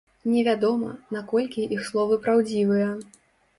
Невядома, наколькі іх словы праўдзівыя.